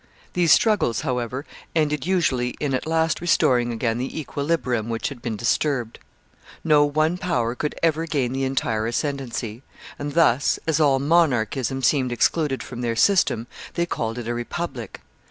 These struggles, however, ended usually in at last restoring again the equilibrium which had been disturbed. No one power could ever gain the entire ascendency; and thus, as all monarchism seemed excluded from their system, they called it a republic.